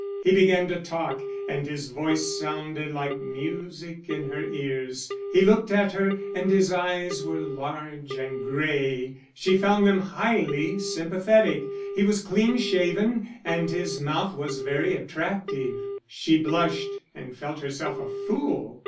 He began to talk, and his voice sounded like music in her ears; he looked at her and his eyes were large and gray, she found them highly sympathetic; he was clean shaven, and his mouth was very attractive. She blushed and felt herself a fool.